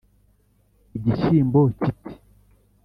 Igishyimbo kiti: